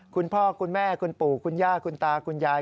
คุณพ่อคุณแม่คุณปู่คุณย่าคุณตาคุณยาย